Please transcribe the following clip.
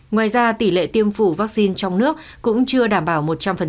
ngoài ra tỷ lệ tiêm chủng vaccine trong nước cũng chưa đảm bảo một trăm linh